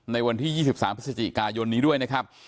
ในวันที่๒๓พฤศจิกายนนี้ด้วยนะครับ